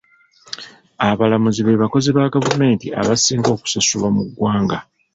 Abalamuzi be bakozi ba gavumenti abasinga okusasulwa mu ggwanga.